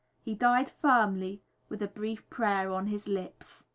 He died firmly, with a brief prayer on his lips.